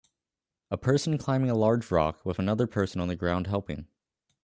a person climbing a large rock with another person on the ground helping